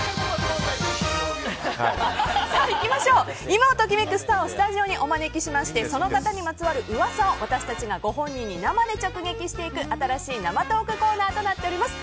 今をときめくスターをスタジオにお招きしましてその方にまつわる噂を私たちがご本人に生で直撃していく新しい生トークコーナーとなっています。